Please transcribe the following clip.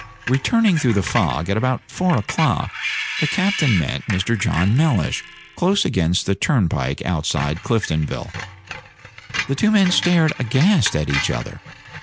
Returning through the fog at about four o'clock, the captain met Mr. John Mellish close against the turnpike outside Cliftonville. The two men stared aghast at each other.